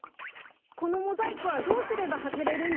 このモザイクはどうすればはずれるんですか？